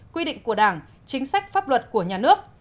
quy định của đảng chính sách pháp luật của nhà nước